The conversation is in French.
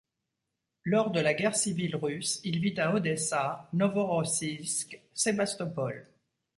Lors de la Guerre civile russe, il vit à Odessa, Novorossiisk, Sébastopol.